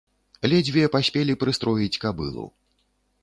Ледзьве паспелі прыстроіць кабылу.